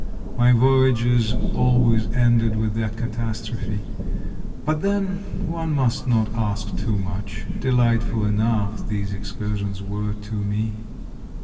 My voyages always ended with that catastrophe ; but then — one must not ask too much ! De lightful enough these excursions were to me.